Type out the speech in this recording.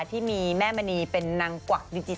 ที่มีแม่บรรณีเป็นนางผวักดิจิทัล